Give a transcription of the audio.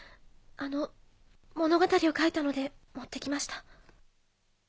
あの物語を書いたので持って来ました。